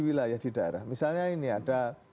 wilayah di daerah misalnya ini ada